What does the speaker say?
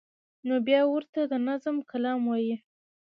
نو بیا ورته د نظم کلام وایی